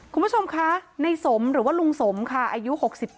คุณผู้ชมคะในสมหรือว่าลุงสมค่ะอายุ๖๗